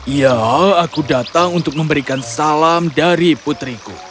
ya aku datang untuk memberikan salam dari putriku